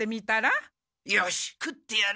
よし食ってやる。